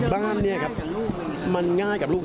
บ้านเนี่ยครับมันง่ายกับลูก